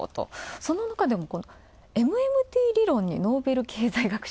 その中でもＭＭＴ理論にノーベル経済学賞。